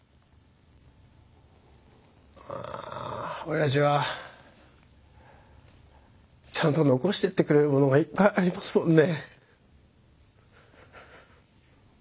親父はちゃんと残してってくれるものがいっぱいありますもんね。